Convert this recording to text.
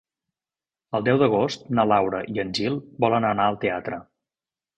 El deu d'agost na Laura i en Gil volen anar al teatre.